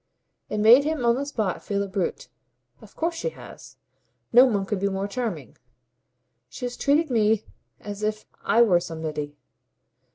It made him on the spot feel a brute. "Of course she has. No one could be more charming. She has treated me as if I were somebody.